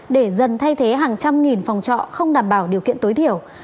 để dần thay thế hàng trăm nghìn phòng trọ không đảm bảo điều kiện tối thiểu